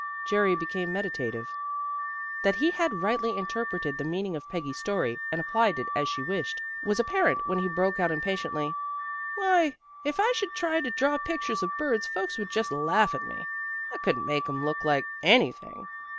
Jerry became meditative. That he had rightly interpreted the meaning of Peggy's story, and applied it as she wished, was apparent when he broke out impatiently, "Why, if I should try to draw pictures of birds, folks would just laugh at me. I couldn't make 'em look like anything."